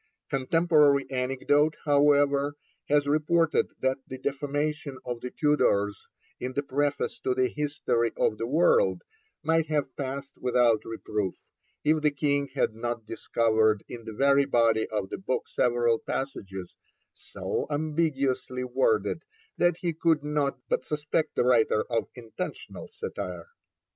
Contemporary anecdote, however, has reported that the defamation of the Tudors in the Preface to the History of the World might have passed without reproof, if the King had not discovered in the very body of the book several passages so ambiguously worded that he could not but suspect the writer of intentional satire.